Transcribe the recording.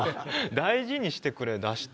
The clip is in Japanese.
大事にしてくれだした。